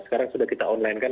sekarang sudah kita online kan